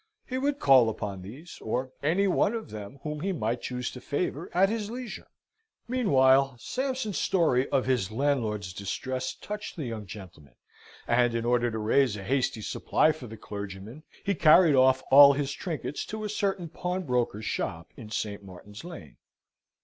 He would call upon these, or any one of them whom he might choose to favour, at his leisure; meanwhile, Sampson's story of his landlord's distress touched the young gentleman, and, in order to raise a hasty supply for the clergyman, he carried off all his trinkets to a certain pawnbroker's shop in St. Martin's Lane.